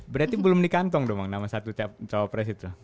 berarti belum dikantong dong bang nama satu cawa pres itu